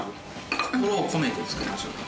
心を込めて作りました。